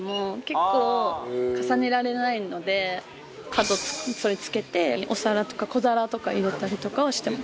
角それ付けてお皿とか小皿とか入れたりとかはしてます。